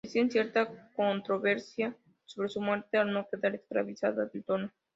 Existe cierta controversia sobre su muerte al no quedar esclarecida del todo.